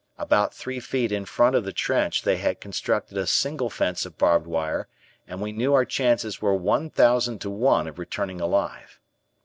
About three feet in front of the trench they had constructed a single fence of barbed wire and we knew our chances were one thousand to one of returning alive.